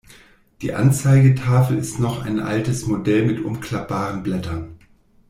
Die Anzeigetafel ist noch ein altes Modell mit umklappbaren Blättern.